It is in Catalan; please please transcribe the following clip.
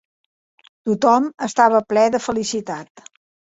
Tothom estava ple de felicitat.